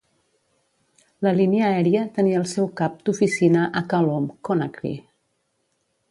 La línia aèria tenia el seu cap d'oficina a Kaloum, Conakry.